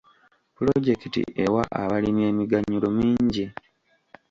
Pulojekiti ewa abalimi emiganyulo mingi.